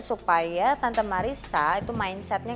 supaya tante marisa itu mindsetnya